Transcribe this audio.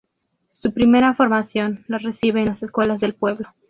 Su primera formación la recibe en las escuelas del pueblo.